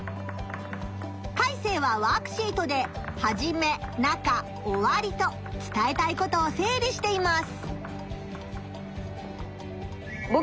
カイセイはワークシートではじめ中おわりと伝えたいことを整理しています。